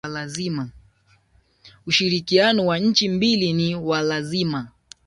Ushirikiano wa nchi mbili ni wa lazima